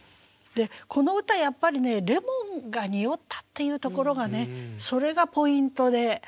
でこの歌やっぱりねレモンが匂ったっていうところがねそれがポイントで。